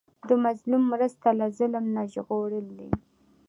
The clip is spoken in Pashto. د مظلوم مرسته له ظلم نه ژغورل دي.